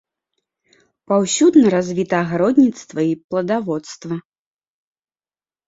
Паўсюдна развіта агародніцтва і пладаводства.